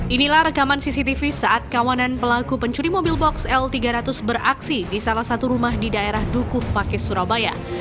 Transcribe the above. inilah rekaman cctv saat kawanan pelaku pencuri mobil box l tiga ratus beraksi di salah satu rumah di daerah dukuh pakis surabaya